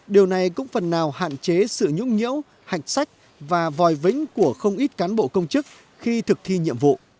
điều này cũng phần nào hạn chế sự nhũng nhiễu hạch sách và vòi vĩnh của không ít cán bộ công chức khi thực thi nhiệm vụ